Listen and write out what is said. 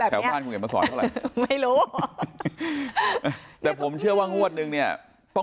หลอกถามแม่นึกว่าจะตอบ